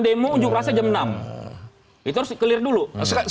demo juga sejam enam itu sekeliru dulu